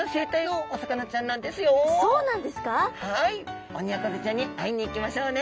はいオニオコゼちゃんに会いに行きましょうね！